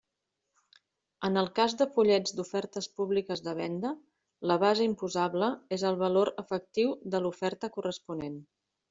En el cas de fullets d'ofertes públiques de venda, la base imposable és el valor efectiu de l'oferta corresponent.